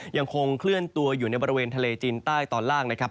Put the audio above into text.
ยังคงเคลื่อนตัวอยู่ในบริเวณทะเลจีนใต้ตอนล่างนะครับ